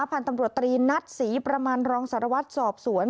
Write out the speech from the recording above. พันธุ์ตำรวจตรีนัทศรีประมาณรองสารวัตรสอบสวน